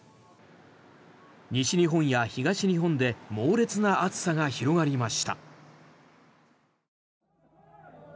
西日本や東日本で猛烈な暑さが広がりました。